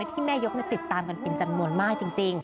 ที่แม่ยกติดตามกันเป็นจำนวนมากจริง